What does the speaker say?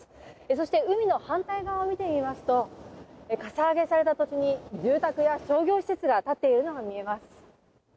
そして海の反対側を見てみますと、かさ上げされた土地に住宅や商業施設が建っているのが見えます。